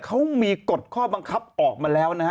เขามีกฎข้อบังคับออกมาแล้วนะฮะ